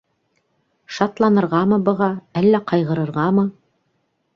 Шатланырғамы быға, әллә ҡайғырырғамы?